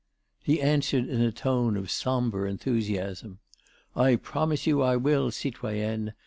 He answered in a tone of sombre enthusiasm: "I promise you I will, citoyenne.